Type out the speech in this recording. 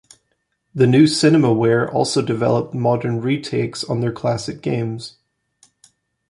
The new Cinemaware also developed modern retakes on their classic games.